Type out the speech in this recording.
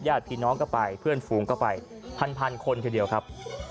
ญาติพี่น้องก็ไปเพื่อนฝูงก็ไปพันคนทีเดียวครับ